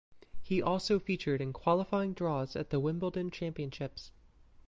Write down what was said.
He also featured in qualifying draws at the Wimbledon Championships.